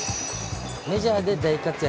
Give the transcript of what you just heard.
メジャーで大活躍！